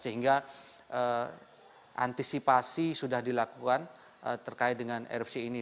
sehingga antisipasi sudah dilakukan terkait dengan erupsi ini